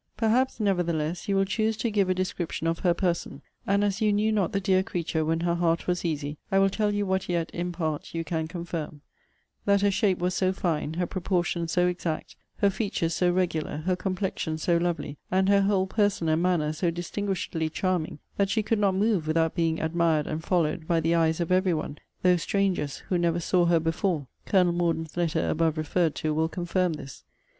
Perhaps, nevertheless, you will choose to give a description of her person: and as you knew not the dear creature when her heart was easy, I will tell you what yet, in part, you can confirm: That her shape was so fine, her proportion so exact, her features so regular, her complexion so lovely, and her whole person and manner so distinguishedly charming, that she could not move without being admired and followed by the eyes of every one, though strangers, who never saw her before. Col. Morden's letter, above referred to, will confirm this.